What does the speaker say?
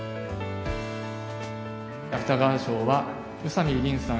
・芥川賞は宇佐見りんさん